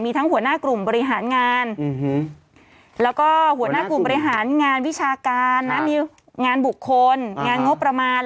ทั้งหัวหน้ากลุ่มบริหารงานแล้วก็หัวหน้ากลุ่มบริหารงานวิชาการนะมีงานบุคคลงานงบประมาณ